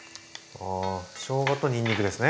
ああしょうがとにんにくですね。